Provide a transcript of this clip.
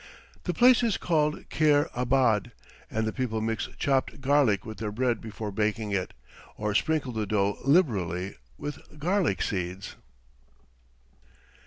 The place is called Kair abad, and the people mix chopped garlic with their bread before baking it, or sprinkle the dough liberally with garlic seeds.